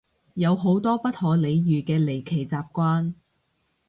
有好多不可理喻嘅離奇習慣